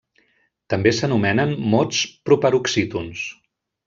També s'anomenen mots proparoxítons.